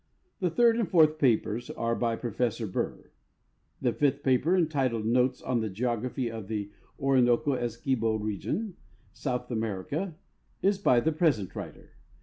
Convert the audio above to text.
The third and fourth papers are by Professor Burr. The fifth paper, entitled Notes on the Geography of the Ori noco Essequibo Region, South America, is by the present writer.